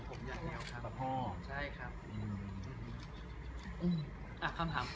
ไปรับทิวท่าน